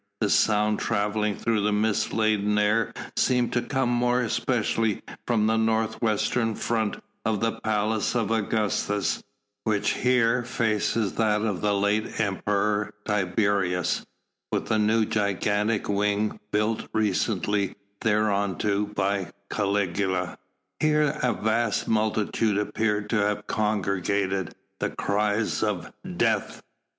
The sound travelling through the mist laden air seemed to come more especially from the northwestern front of the palace of Augustus, which here faces that of the late Emperor Tiberius, with the new gigantic wing built recently thereunto by Caligula. Here a vast multitude appeared to have congregated. The cries of "Death!"